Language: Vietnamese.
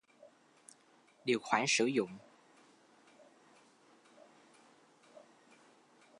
Điều khoản sử dụng